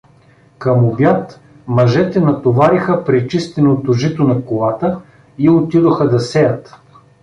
Към обяд мъжете натовариха пречистеното жито на колата и отидоха да сеят.